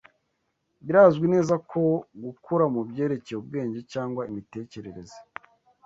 birazwi neza ko gukura mu byerekeye ubwenge cyangwa imitekerereze